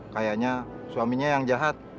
kayaknya suaminya yang jahat